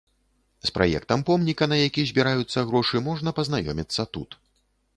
З праектам помніка, на які збіраюцца грошы, можна пазнаёміцца тут.